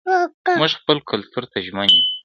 موږ خپل کلتور ته ژمن یو.